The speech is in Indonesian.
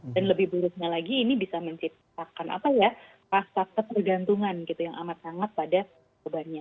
lebih buruknya lagi ini bisa menciptakan apa ya rasa ketergantungan gitu yang amat sangat pada bebannya